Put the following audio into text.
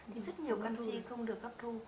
thì rất nhiều canxi không được gấp thu